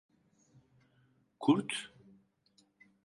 Kurt?